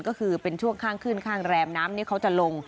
ก็คือเป็นช่วงข้างขึ้นข้างแรมน้ำนี้เขาจะลง